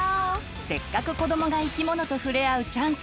せっかく子どもが生き物と触れ合うチャンス